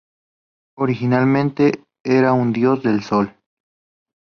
Originalmente era un dios del Sol.